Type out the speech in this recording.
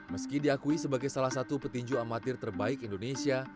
meski diakui sebagai salah satu petinju amatir terbaik indonesia